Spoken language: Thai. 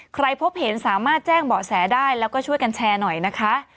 พบเห็นสามารถแจ้งเบาะแสได้แล้วก็ช่วยกันแชร์หน่อยนะคะ